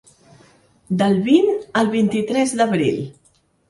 Del vint al vint-i-tres d’abril.